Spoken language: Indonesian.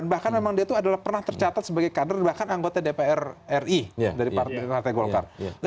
bahkan memang dia itu adalah pernah tercatat sebagai kader bahkan anggota dpr ri dari partai golkar